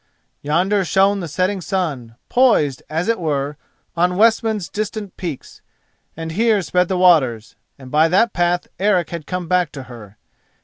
Yonder shone the setting sun, poised, as it were, on Westman's distant peaks, and here sped the waters, and by that path Eric had come back to her.